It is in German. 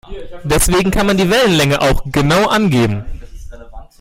Deswegen kann man die Wellenlänge auch genau angeben.